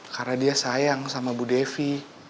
karena dia sayang sama bu devi